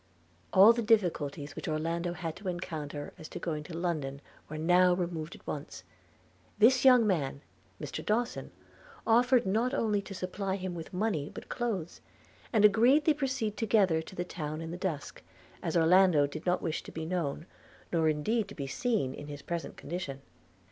All the difficulties which Orlando had to encounter as to going to London were now removed at once – This young man, Mr Dawson, offered not only to supply him with money but clothes; and they agreed to proceed together to the town in the dusk, as Orlando did not wish to be known, nor indeed to be seen, in his present condition.